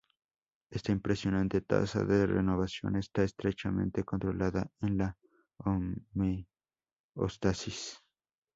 Esta impresionante tasa de renovación está estrechamente controlada en la homeostasis.